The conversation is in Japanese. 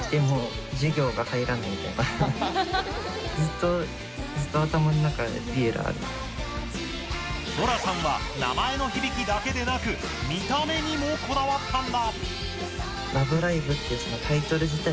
とらさんは名前の響きだけでなく見た目にもこだわったんだ。